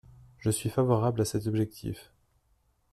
Je suis favorable à cet objectif.